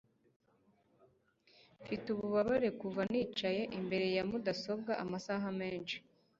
Mfite ububabare kuva nicaye imbere ya mudasobwa amasaha menshi